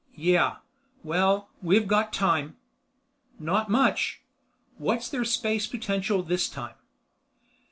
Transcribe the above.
"Yeah. Well, we've got time." "Not much. What's their space potential this time?"